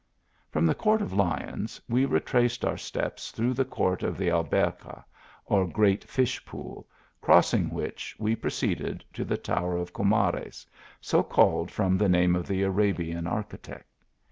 From the Court of Lions, we retraced our steps through the court of the Alberca, or great fish pool, crossing which, we proceeded to the tower of Co mares, so called from the name of the Arabian architect.